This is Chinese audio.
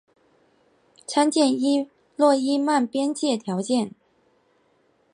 参见诺伊曼边界条件。